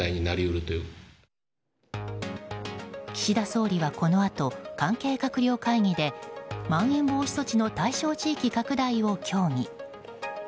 岸田総理はこのあと関係閣僚会議でまん延防止措置の対象地域拡大を協議。